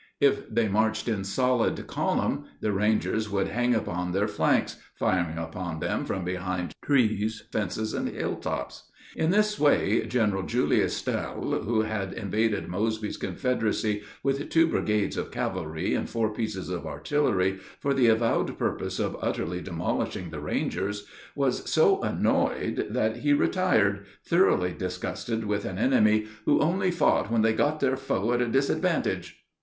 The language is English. If they marched in solid column, the Rangers would hang upon their flanks, firing upon them from behind trees, fences, and hilltops. In this way, General Julius Stahel, who had invaded Mosby's Confederacy with two brigades of cavalry and four pieces of artillery for the avowed purpose of utterly demolishing the Rangers, was so annoyed that he retired, thoroughly disgusted with an enemy "who only fought when they got their foe at a disadvantage."